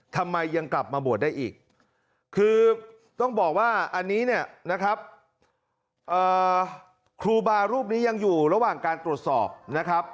ทำไมยังกลับมาบวชได้อีกคือต้องบอกว่าอันนี้เนี่ยนะครับครูบารูปนี้ยังอยู่ระหว่างการตรวจสอบนะครับ